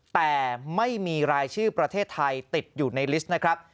แต่ไม่มีรายชื่อประเทศไทยติดอยู่ในลิสต์นะครับ